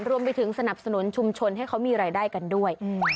รวมไปถึงสนับสนุนชุมชนให้เขามีรายได้กันด้วย